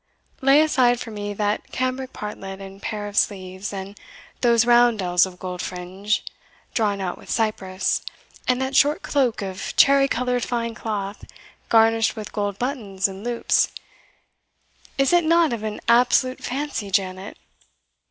Lay aside for me that cambric partlet and pair of sleeves and those roundells of gold fringe, drawn out with cyprus and that short cloak of cherry coloured fine cloth, garnished with gold buttons and loops; is it not of an absolute fancy, Janet?"